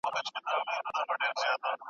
خام زعفران ارزښت نه لري.